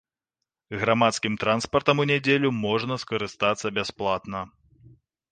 Грамадскім транспартам у нядзелю можна скарыстацца бясплатна.